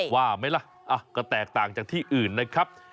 ว่าไหมล่ะก็แตกต่างจากที่อื่นนะครับ